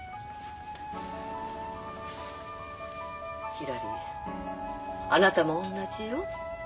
ひらりあなたも同じよ？